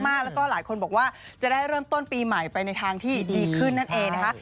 แล้วก็หลายคนบอกว่าจะได้เริ่มต้นปีใหม่ไปในทางที่ดีขึ้นนั่นเองนะคะ